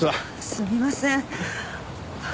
すみません。